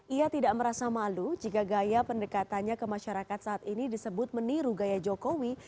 ia tidak merasa malu jika gaya pendekatannya ke masyarakat saat ini disebut meniru gaya jokowi